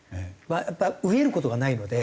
やっぱ飢える事がないので。